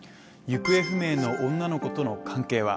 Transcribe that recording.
行方不明の女の子との関係は。